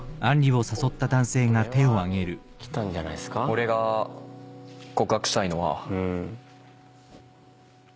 俺が告白したいのは。